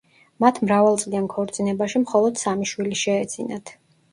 მათ მრავალწლიან ქორწინებაში მხოლოდ სამი შვილი შეეძინათ.